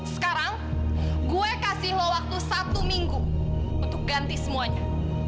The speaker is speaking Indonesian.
sekarang gue kasih loh waktu satu minggu untuk ganti semuanya